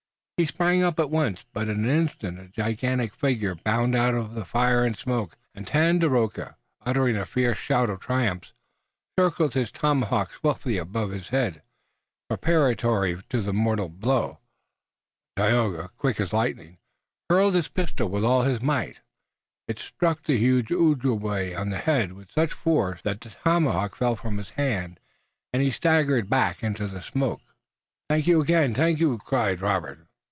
He sprang up at once, but in an instant a gigantic figure bounded out of the fire and smoke, and Tandakora, uttering a fierce shout of triumph, circled his tomahawk swiftly above his head, preparatory to the mortal blow. But Tayoga, quick as lightning, hurled his pistol with all his might. It struck the huge Ojibway on the head with such force that the tomahawk fell from his hand, and he staggered back into the smoke. "Tayoga, again I thank you!" cried Robert.